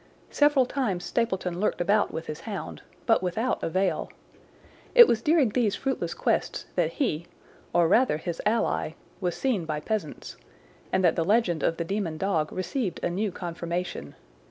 Several times Stapleton lurked about with his hound, but without avail. It was during these fruitless quests that he, or rather his ally, was seen by peasants, and that the legend of the demon dog received a new confirmation.